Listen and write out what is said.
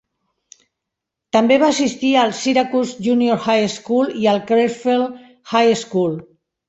També va assistir al Syracuse Junior High School i al Clearfield High School.